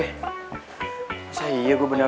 masa iya gue beneran gak ada duit